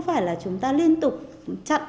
phải là chúng ta liên tục chặn